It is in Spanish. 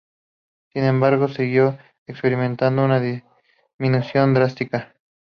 Sin embargo, se siguió experimentado una disminución drástica.